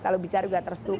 kalau bicara juga terstukup